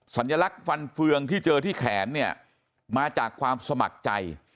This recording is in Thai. สัญลักษณ์ฟันเฟืองที่เจอที่แขนเนี่ยมาจากความสมัครใจ